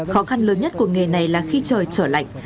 khó khăn lớn nhất của nghề này là khi trời trở lạnh